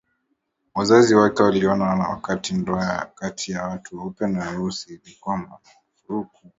Wazazi wake walioana wakati ndoa kati ya watu weupe na weusi bado ilikuwa marufuku